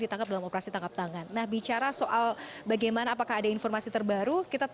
ditangkap dalam operasi tangkap tangan nah bicara soal bagaimana apakah ada informasi terbaru kita